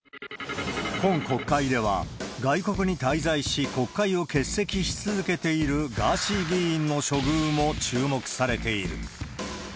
今国会では、外国に滞在し、国会を欠席し続けているガーシー議員の処遇も注目されている。